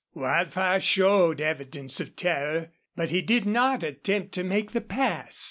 Wildfire showed evidence of terror, but he did not attempt to make the pass.